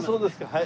はい。